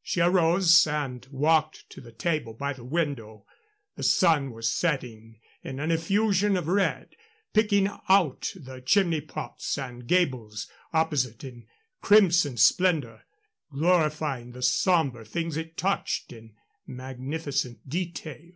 She arose and walked to the table by the window. The sun was setting in an effusion of red, picking out the chimney pots and gables opposite in crimson splendor, glorifying the somber things it touched in magnificent detail.